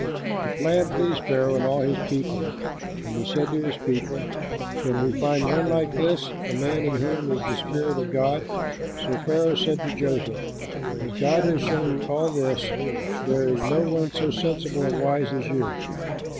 The plan pleased Pharaoh and all his people; and he said to his people, "Can we find one like this, a man in whom is the spirit of God?" So Pharaoh said to Joseph, "As God has shown you all this, there is no one so sensible and wise as you.